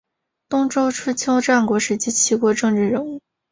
东周春秋战国时期齐国的政治人物。